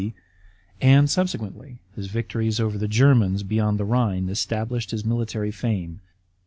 C), and, subsequently, his victories over the Germans beyond the Rhine established his military fame.